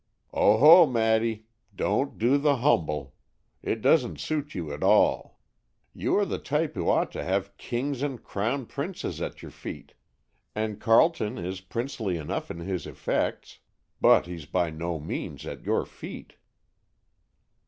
"Oho, Maddy! Don't do the humble; it doesn't suit you at all. You are the type who ought to have 'kings and crown princes at your feet.' And Carleton is princely enough in his effects, but he's by no means at your feet."